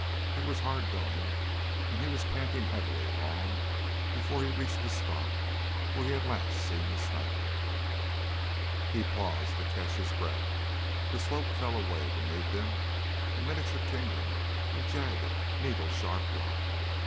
It was hard going and he was panting heavily long before he reached the spot where he had last seen the sniper. He paused to catch his breath. The slope fell away beneath him, a miniature kingdom of jagged needle sharp rock.